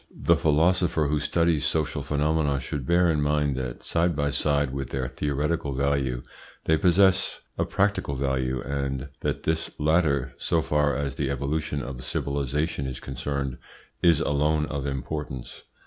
The philosopher who studies social phenomena should bear in mind that side by side with their theoretical value they possess a practical value, and that this latter, so far as the evolution of civilisation is concerned, is alone of importance.